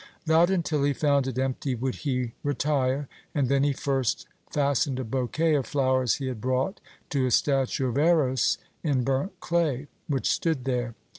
Not until he found it empty would he retire, and then he first fastened a bouquet of flowers he had brought to a statue of Eros in burnt clay, which stood there.